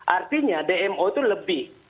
artinya dmo itu lebih